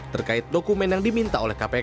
terkait dokumen yang diminta oleh kpk